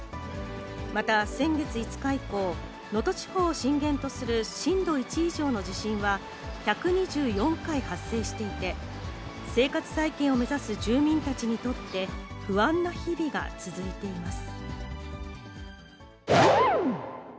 また、先月５日以降、能登地方を震源とする震度１以上の地震は１２４回発生していて、生活再建を目指す住民たちにとって、不安な日々が続いています。